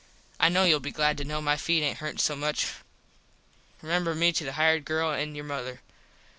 I kno youll be glad to kno my feet aint hurtin so much. Remember me to the hired girl and your mother.